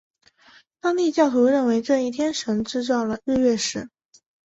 当地教徒认为这一天神制造了日月食。